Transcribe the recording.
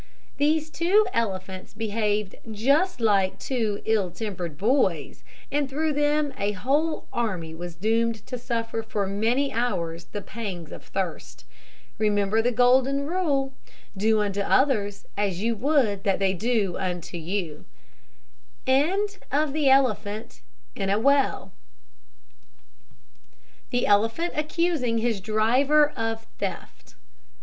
These two elephants behaved just like two ill tempered boys; and through them a whole army was doomed to suffer for many hours the pangs of thirst. Remember the golden rule, "Do unto others as you would that they should do unto you." THE ELEPHANT ACCUSING HIS DRIVER OF THEFT.